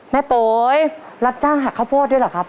โป๋ยรับจ้างหักข้าวโพดด้วยเหรอครับ